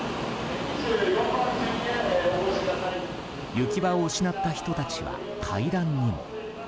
行き場を失った人たちは階段にも。